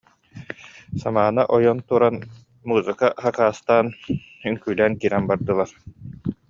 Самаана ойон туран музыка сакаастаан, үҥкүүлээн киирэн бардылар